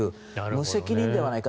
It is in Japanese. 無責任ではないか。